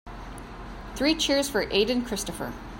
Three cheers for Aden Christopher.